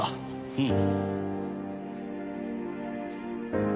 うん。